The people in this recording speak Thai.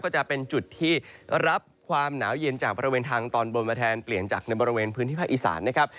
ก็จะเป็นจุดที่รับความหนาวเย็นจากบริเวณทางตอนบนมาแทนเปลี่ยนจากในบริเวณพื้นที่ภาคอีสานนะครับ